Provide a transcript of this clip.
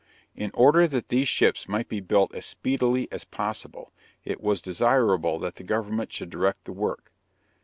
In order that these ships might be built as speedily as possible it was desirable that the government should direct the work.